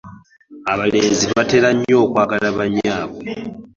Abalenzi batera nnyo okwagala ba nnyaabwe.